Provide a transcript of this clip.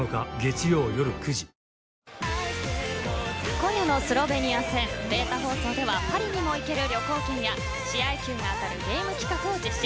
今夜のスロベニア戦データ放送ではパリにも行ける旅行券や試合球が当たるゲーム企画を実施